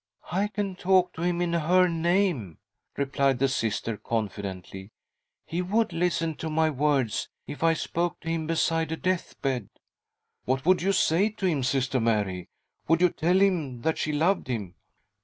" I can talk to him in her name," replied the Sister confidently. " He would listen to my words, if spoken to him beside a death bed." " What would you say to him, Sister Mary ? Would you tell him that she loved him